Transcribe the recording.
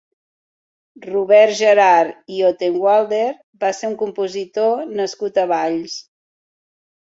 Robert Gerhard i Ottenwaelder va ser un compositor nascut a Valls.